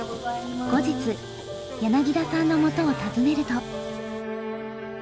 後日柳田さんのもとを訪ねると。